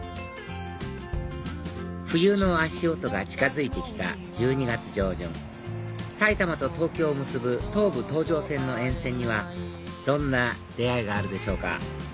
冬の足音が近づいて来た１２月上旬埼玉と東京を結ぶ東武東上線の沿線にはどんな出会いがあるでしょうか？